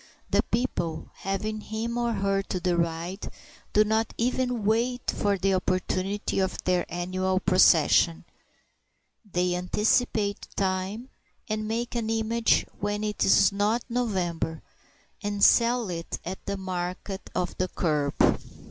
The people, having him or her to deride, do not even wait for the opportunity of their annual procession. They anticipate time, and make an image when it is not November, and sell it at the market of the kerb.